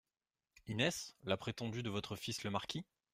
Inès, la prétendue de votre fils le marquis ?